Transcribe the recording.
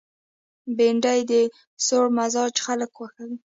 بېنډۍ د سوړ مزاج خلک خوښوي